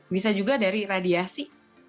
bisa juga dari radiasi